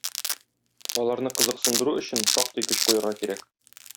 Аларны кызыксындыру өчен шактый көч куярга кирәк.